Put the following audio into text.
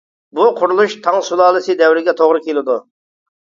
بۇ قۇرۇلۇش تاڭ سۇلالىسى دەۋرىگە توغرا كېلىدۇ.